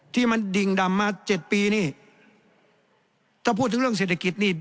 ที่มันดิ่งดำมาเจ็ดปีนี่ถ้าพูดถึงเรื่องเศรษฐกิจนี่